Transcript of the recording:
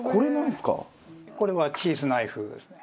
これはチーズナイフですね。